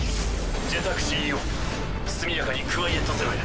ジェタークＣＥＯ速やかにクワイエット・ゼロへ。